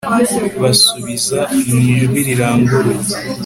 basubiza mu ijwi riranguruye